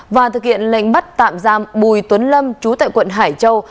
và thực hiện lệnh bắt tạm giam bùi tuấn lâm chú tại quận hải châu